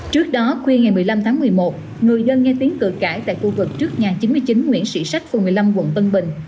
trước đó khuya ngày một mươi năm tháng một mươi một người dân nghe tiếng cử cãi tại khu vực trước nhà chín mươi chín nguyễn sĩ sách phường một mươi năm quận tân bình